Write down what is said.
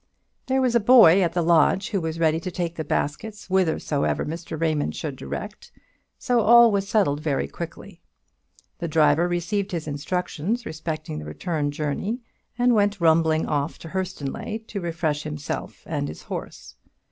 There was a boy at the lodge who was ready to take the basket whithersoever Mr. Raymond should direct; so all was settled very quickly. The driver received his instructions respecting the return journey, and went rumbling off to Hurstonleigh to refresh himself and his horse.